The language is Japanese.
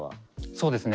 そうですね